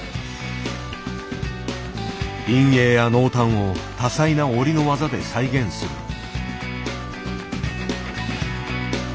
陰影や濃淡を多彩な織りの技で再現する。